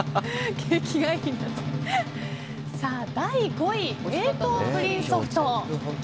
第５位、冷凍プリンソフト。